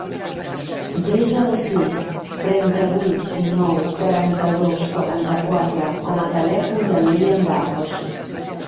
Desa el sis, trenta-vuit, dinou, quaranta-dos, quaranta-quatre com a telèfon del Liam Barros.